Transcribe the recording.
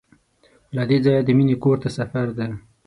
له دې ځایه د مینې کور ته سفر دی.